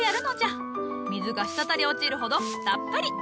水が滴り落ちるほどたっぷり。